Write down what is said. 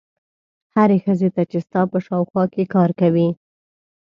هرې ښځې ته چې ستا په شاوخوا کې کار کوي.